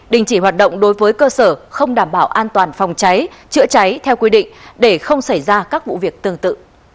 đình chỉ hoạt động đối với cơ sở không đảm bảo an toàn phòng cháy chữa cháy theo quy định để không xảy ra các vụ việc tương tự